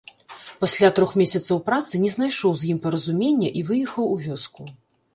Пасля трох месяцаў працы не знайшоў з ім паразумення і выехаў у вёску.